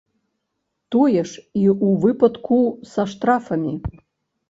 Тое ж і ў выпадку са штрафамі.